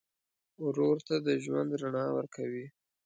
ورور ته د ژوند رڼا ورکوې.